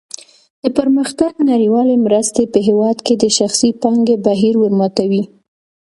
د پرمختګ نړیوالې مرستې په هېواد کې د شخصي پانګې بهیر ورماتوي.